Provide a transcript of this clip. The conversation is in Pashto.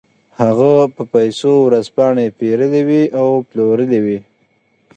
هغه په پیسو ورځپاڼې پېرلې وې او پلورلې وې